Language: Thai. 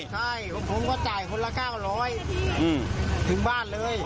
เสร็จแล้วผมก็จ่ายคนละ๙๐๐ถึงบ้านเลย